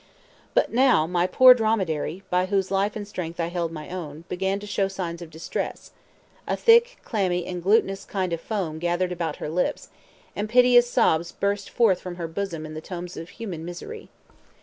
But now my poor dromedary, by whose life and strength I held my own, began to show signs of distress: a thick, clammy, and glutinous kind of foam gathered about her lips, and piteous sobs burst from her bosom in the tones of human misery.